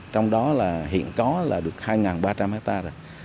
trong đó hiện có là được hai ba trăm linh hectare